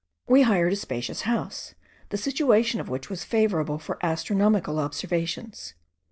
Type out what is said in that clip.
We hired a spacious house, the situation of which was favourable for astronomical observations.